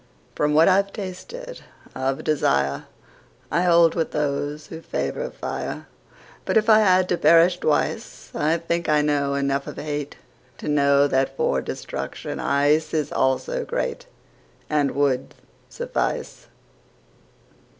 From what I've tasted of desireI hold with those who favor fire. But if it had to perish twice,I think I know enough of hateTo know that for destruction iceIs also greatAnd would suffice.